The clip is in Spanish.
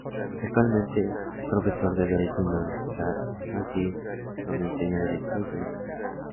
Actualmente es profesor de derecho en la Universidad McGill, donde enseña derecho y filosofía.